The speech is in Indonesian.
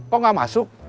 kok nggak masuk